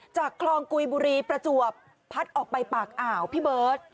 คลองกุยบุรีประจวบพัดออกไปปากอ่าวพี่เบิร์ต